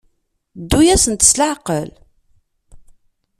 Ddu-asent s leɛqel.